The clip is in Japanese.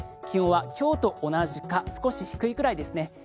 気温は今日と同じか少し低いくらいですね。